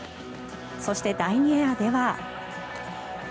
そして、第２エアでは。